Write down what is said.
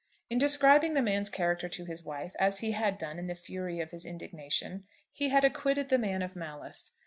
In describing the man's character to his wife, as he had done in the fury of his indignation, he had acquitted the man of malice.